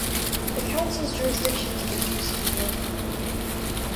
The council's jurisdiction is reduced to war time.